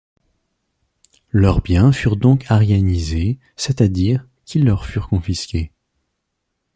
Leurs biens furent donc aryanisés, c'est-à-dire, qu'ils leur furent confisqués.